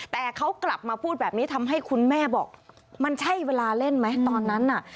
แต่เขากลับมาพูดแบบนี้ทำให้คุณแม่บอกมันใช่เวลาเล่นไหมตอนนั้นน่ะ